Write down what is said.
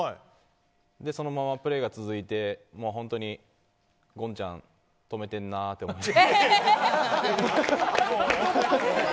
そのままプレーが続いて本当にゴンちゃん止めてるなと思って。